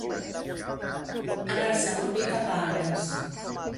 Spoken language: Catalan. Anar-se'n un vi cap a Agres.